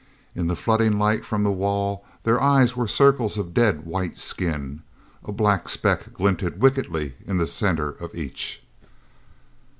In the flooding light from the wall, their eyes were circles of dead white skin. A black speck glinted wickedly in the center of each.